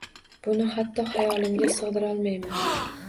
Buni hatto xayolimga sig’dirolmayman